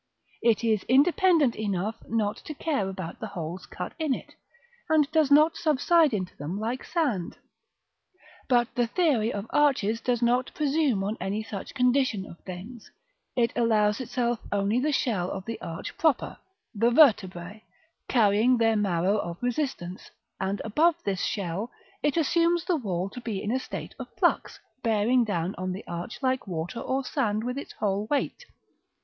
It is independent enough not to care about the holes cut in it, and does not subside into them like sand. But the theory of arches does not presume on any such condition of things; it allows itself only the shell of the arch proper; the vertebræ, carrying their marrow of resistance; and, above this shell, it assumes the wall to be in a state of flux, bearing down on the arch, like water or sand, with its whole weight.